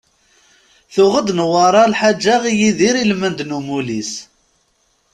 Tuɣ-d Newwara lḥaǧa i Yidir ilmend n umulli-s.